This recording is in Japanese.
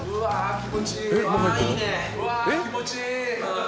気持ちいい。